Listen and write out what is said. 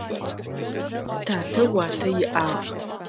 Татэ уатэ иӏагъ.